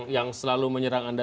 yang selalu menyerang anda